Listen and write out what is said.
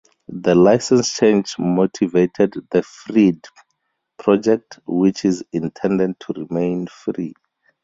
The license change motivated the freedb project, which is intended to remain free.